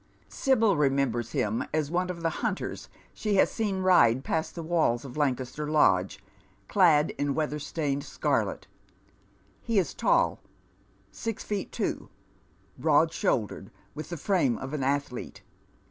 Si'byl remembers him as one of the htmters she has seen ride past the walls of Lancaster Lodge, clad in weather stained scarlet He is tall — sis feet two — ^broad shouldered, %vith the frame of an athlete.